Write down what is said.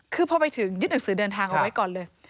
คือพอไปถึงยึดหนังสือเดินทางเอาไว้ก่อนเลย